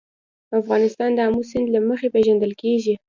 افغانستان د آمو سیند له مخې پېژندل کېږي.